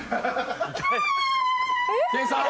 店員さん？